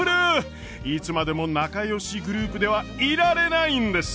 いつまでも仲よしグループではいられないんです！